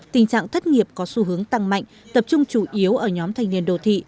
tình trạng thất nghiệp có xu hướng tăng mạnh tập trung chủ yếu ở nhóm thanh niên đồ thị